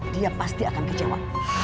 dia pasti akan kecewa